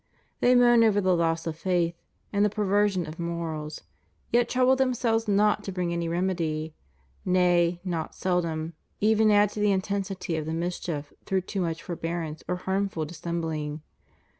They moan over the loss of faith and the perversion of morals, yet trouble themselves not to bring any remedy; nay, not seldom, even add to the intensity of the mischief through too much forbearance or harmful dissembling.